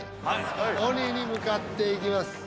鬼に向かっていきます。